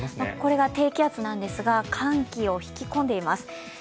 これが低気圧なんですが、寒気を引き込んでいます。